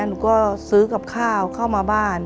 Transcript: หนูก็ซื้อกับข้าวเข้ามาบ้าน